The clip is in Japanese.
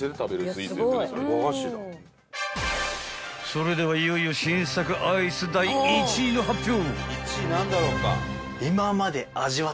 ［それではいよいよ新作アイス第１位の発表］